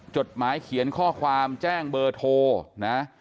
จดหมายเขียนข้อความแจ้งเบอร์โทรนะ